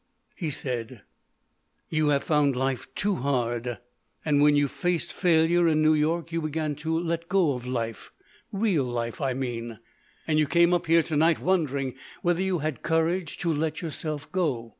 He said: "You have found life too hard. And when you faced failure in New York you began to let go of life—real life, I mean. And you came up here to night wondering whether you had courage to let yourself go.